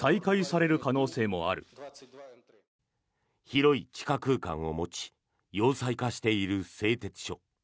広い地下空間を持ち要塞化している製鉄所。